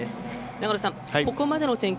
長野さん、ここまでの展開